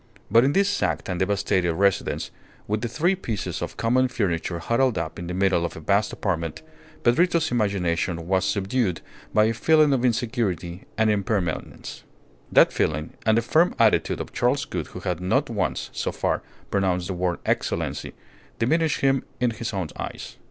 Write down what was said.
But in this sacked and devastated residence, with the three pieces of common furniture huddled up in the middle of the vast apartment, Pedrito's imagination was subdued by a feeling of insecurity and impermanence. That feeling and the firm attitude of Charles Gould who had not once, so far, pronounced the word "Excellency," diminished him in his own eyes.